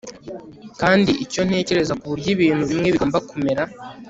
kandi icyo ntekereza kuburyo ibintu bimwe bigomba kumera